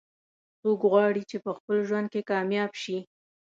څوک غواړي چې په خپل ژوند کې کامیاب شي